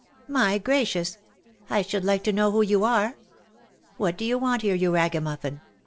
u My gracious ! I should like to know who you are ? "What do you want here, you ragamuffin